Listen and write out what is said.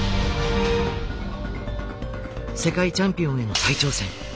世界チャンピオンへの再挑戦。